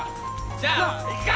じゃあ行くか！